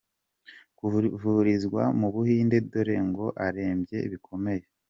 kuvurizwa mu Buhinde dore ngo arembye bikomeye.